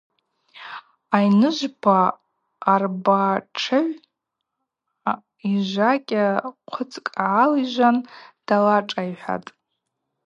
Айныжвпа арбатшыгӏв йжакӏьа хъвыцкӏ гӏалижван далашӏайхӏватӏ.